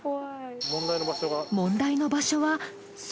問題の場所は外？